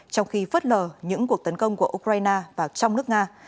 trong khi phớt lờ những cuộc tấn công của ukraine vào trong nước nga